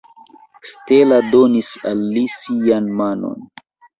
Stella donis al li sian manon.